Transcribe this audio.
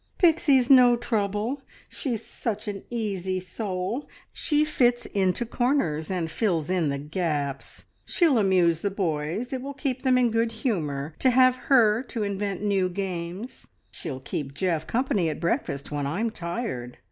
"Pixie's no trouble. She's such an easy soul. She fits into corners and fills in the gaps. She'll amuse the boys. It will keep them in good humour to have her to invent new games. She'll keep Geoff company at breakfast when I'm tired.